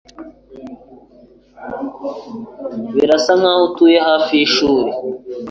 Birasa nkaho atuye hafi yishuri